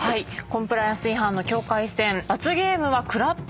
コンプライアンス違反の境界線。